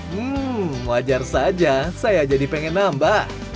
hmm wajar saja saya jadi pengen nambah